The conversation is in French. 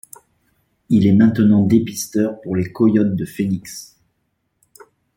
Il est maintenant dépisteur pour les Coyotes de Phoenix.